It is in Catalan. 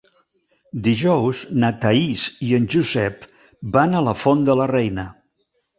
Dijous na Thaís i en Josep van a la Font de la Reina.